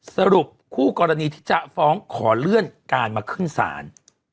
สรุปคู่กรณีที่จะฟ้องขอเลื่อนการมาขึ้นศาล